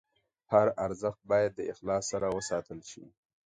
هر ارزښت باید د اخلاص سره وساتل شي.